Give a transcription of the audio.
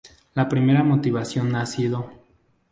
La primera motivación ha sido